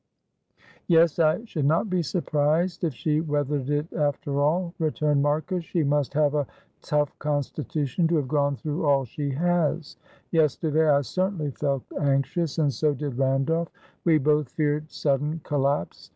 "Yes, I should not be surprised if she weathered it after all," returned Marcus; "she must have a tough constitution to have gone through all she has. Yesterday I certainly felt anxious, and so did Randolph. We both feared sudden collapse.